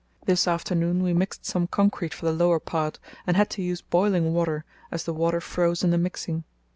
This afternoon we mixed some concrete for the lower part, and had to use boiling water, as the water froze in the mixing.